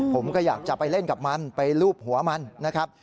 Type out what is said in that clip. ผมก็อยากจะไปเล่นกับมันไปลูบหัวมันนะครับ